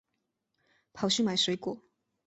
跑去买水果